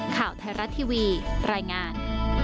ข่าวไทยรัฐทีวีรายงาน